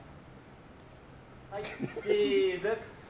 はい、チーズ！